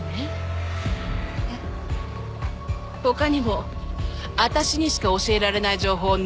他にもあたしにしか教えられない情報